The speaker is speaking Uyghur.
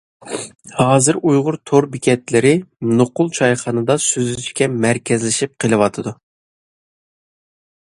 ھازىر ئۇيغۇر تور بېكەتلىرى نوقۇل چايخانىدا سۆزلىشىشكىلا مەركەزلىشىپ قېلىۋاتىدۇ.